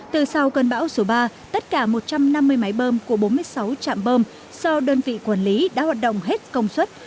từ sau cơn bão số ba tất cả một trăm năm mươi máy bơm của bốn mươi sáu trạm bơm do đơn vị quản lý đã hoạt động hết công suất